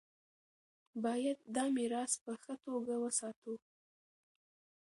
باید دا میراث په ښه توګه وساتو.